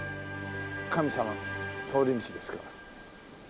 神様の通り道ですから。